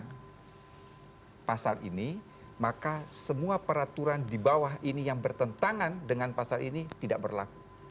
karena pasal ini maka semua peraturan di bawah ini yang bertentangan dengan pasal ini tidak berlaku